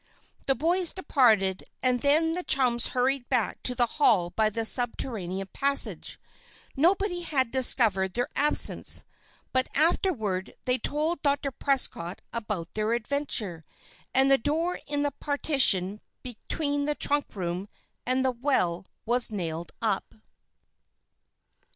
The boys departed, and then the chums hurried back to the hall by the subterranean passage. Nobody had discovered their absence; but afterward they told Dr. Prescott about their adventure, and the door in the partition between the trunk room and the well was nailed up.